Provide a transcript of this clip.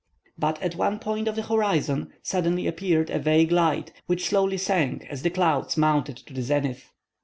But at one point of the horizon suddenly appeared a vague light, which slowly sank as the clouds mounted to the zenith.